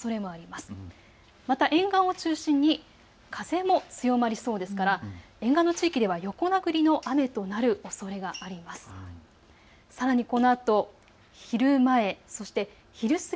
また沿岸を中心に風も強まりそうですから沿岸の地域では横殴りの雨となるおそれがあります。